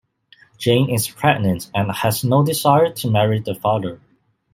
Jane is pregnant and has no desire to marry the father.